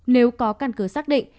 nếu có căn cứ xác định